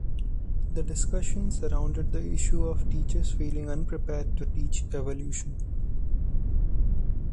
The discussion surrounded the issue of teachers feeling unprepared to teach evolution.